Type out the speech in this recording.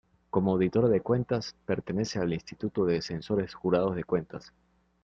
Como auditora de cuentas, pertenece al Instituto de Censores Jurados de Cuentas.